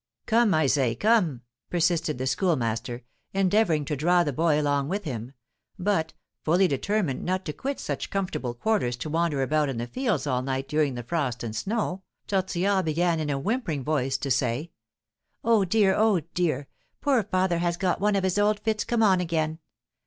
"Come, I say, come!" persisted the Schoolmaster, endeavouring to draw the boy along with him; but, fully determined not to quit such comfortable quarters to wander about in the fields all night during the frost and snow, Tortillard began in a whimpering voice to say: "Oh, dear! oh, dear! poor father has got one of his old fits come on again.